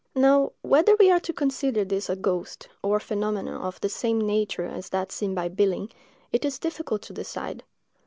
Now, whether we are to consider this a ghost, or a phenomenon of the same nature as that seen by Billing, it is difficult to decide.